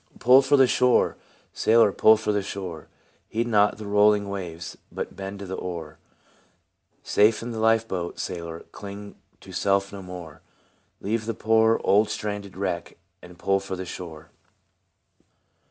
" Pull for the shore, sailor, pull for the shore ; Heed not the rolling waves, but bend to the oar ? Safe in the life boat, sailor, cling to self no more; Leave the poor old stranded wreck, and pull for the shore